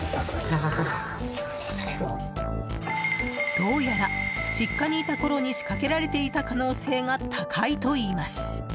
どうやら実家にいたころに仕掛けられていた可能性が高いといいます。